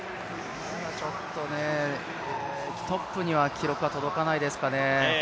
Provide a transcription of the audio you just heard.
ちょっとトップには記録は届かないですかね。